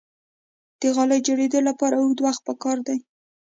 د غالۍ جوړیدو لپاره اوږد وخت پکار دی.